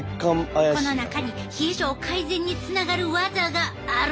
この中に冷え症改善につながるワザがあるんやで。